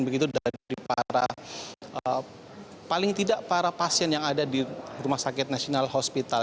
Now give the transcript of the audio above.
begitu dari para paling tidak para pasien yang ada di rumah sakit national hospital